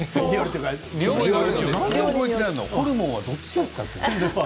ホルモンはどっちやった？って。